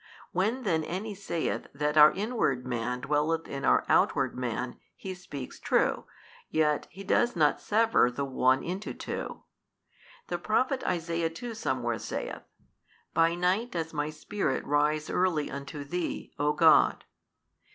When then any saith that our inward man dwelleth in our outward man, he speaks true, yet he does not sever the one into two. The Prophet Isaiah too somewhere saith, By night does my spirit rise early unto Thee, O God.